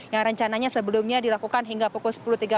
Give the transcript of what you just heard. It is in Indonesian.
yang rencananya sebelumnya dilakukan hingga pukul sepuluh tiga puluh